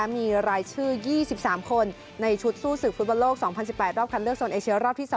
มีรายชื่อ๒๓คนในชุดสู้ศึกฟุตบอลโลก๒๐๑๘รอบคันเลือกโซนเอเชียรอบที่๒